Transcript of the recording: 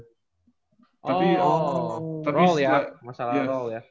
oh role ya masalah role ya